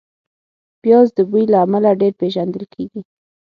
پیاز د بوی له امله ډېر پېژندل کېږي